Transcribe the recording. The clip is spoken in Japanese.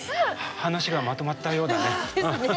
話がまとまったようだね。